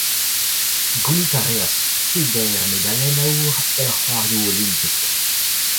Gounit a reas peder medalenn aour er c'hoarioù olimpek.